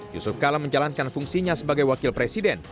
yusuf kala menjalankan fungsinya sebagai wakil presiden